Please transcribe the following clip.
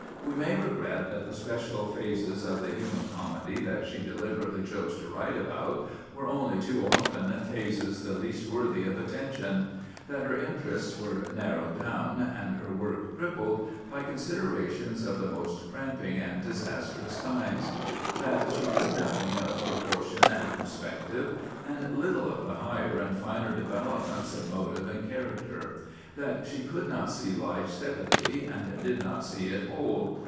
We may regret that the special phases of the human comedy that she deliberately chose to write about, were only too often phases the least worthy of attention; that her interests were narrowed down, and her work crippled, by considerations of the most cramping and disastrous kinds; that she knew nothing of proportion and perspective, and little of the higher and finer developments of motive and character; that she could not see life steadily, and did not see it whole.